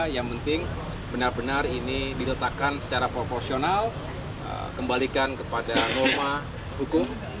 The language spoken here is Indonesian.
yang penting benar benar ini diletakkan secara proporsional kembalikan kepada norma hukum